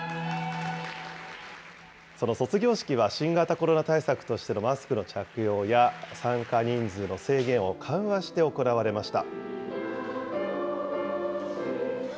その卒業式は新型コロナ対策としてのマスクの着用や、参加人数の制限を緩和して行われました。